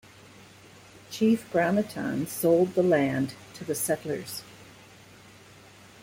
Chief Gramatan sold the land to the settlers.